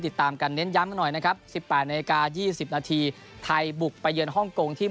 ติดตามกันเน้นย้ำกันหน่อยนะครับ๑๘นาฬิกา๒๐นาทีไทยบุกไปเยือนฮ่องกงที่